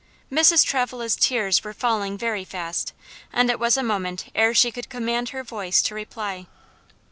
Mrs. Travilla's tears were falling very fast, and it was a moment ere she could command her voice to reply.